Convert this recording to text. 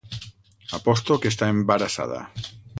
Aposto que està embarassada!